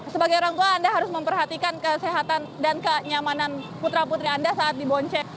sebagai orang tua anda harus memperhatikan kesehatan dan kenyamanan putra putri anda saat diboncek